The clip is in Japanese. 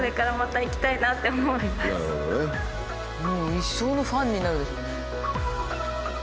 一生のファンになるでしょうね。